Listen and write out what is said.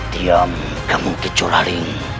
tidak kamu kecurah ring